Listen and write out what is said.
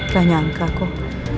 gak nyangka kok